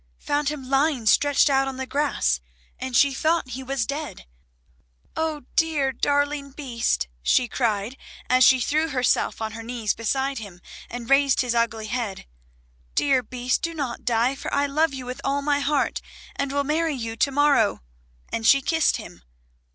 Found him lying stretched out on the grass, and she thought he was dead. "Oh, dear darling Beast," she cried, as she threw herself on her knees beside him, and raised his ugly head, "dear Beast, do not die, for I love you with all my heart, and will marry you to morrow." And she kissed him.